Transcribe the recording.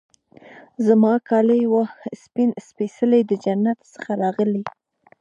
زما کالي وه سپین سپيڅلي د جنت څخه راغلي